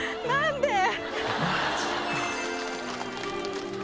何で？